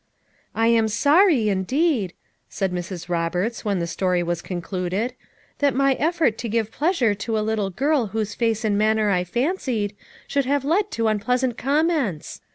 "I am sorry, indeed," said Mrs. Roberts when the story was concluded, "that my effort to give pleasure to a little girl whose face and manner I fancied, should have led to unpleasant com ments.